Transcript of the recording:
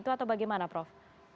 itu atau bagaimana prof